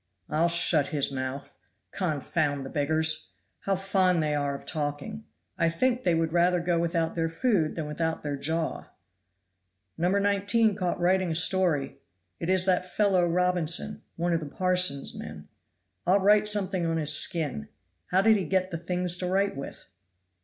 "I'll shut his mouth. Confound the beggars! how fond they are of talking. I think they would rather go without their food than without their jaw. "No. 19 caught writing a story. It is that fellow Robinson, one of the parson's men. I'll write something on his skin. How did he get the things to write with?"